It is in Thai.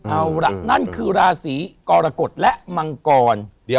เออนั่นคือราศรีกรกฎและวังกอน